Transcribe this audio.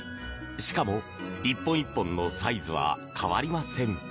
しかも、１本１本のサイズは変わりません。